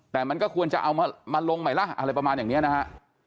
แต่มันก็ควรจะเอามาลงไหมล่ะอะไรประมาณอย่างนี้นะฮะ